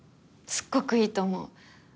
すっごくいいと思う。